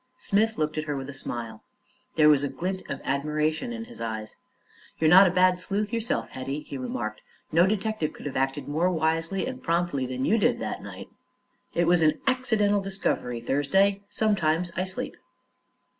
Smith looked at her with a smile. There was a glint of admiration in his eyes. "You're not a bad sleuth yourself, Hetty," he remarked. "No detective could have acted more wisely and promptly than you did that night." "It was an accidental discovery, Thursday. Sometimes I sleep."